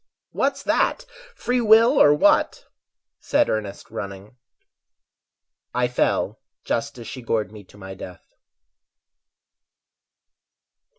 "What's that, free will or what?" said Ernest, running. I fell just as she gored me to my death.